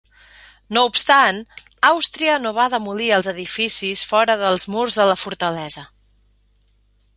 No obstant, Àustria no va demolir els edificis fora dels murs de la fortalesa.